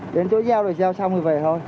đến chỗ giao rồi giao xong rồi về thôi